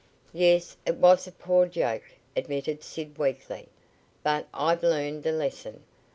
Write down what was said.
"Yes, it was a poor joke," admitted Sid weakly, "but I've learned a lesson.